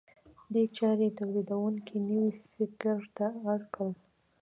دې چارې تولیدونکي نوي فکر ته اړ کړل.